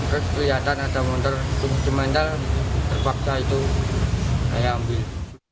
terus kelihatan ada mondar di mental terpaksa itu saya ambil